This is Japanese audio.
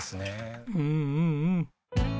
うんうんうん。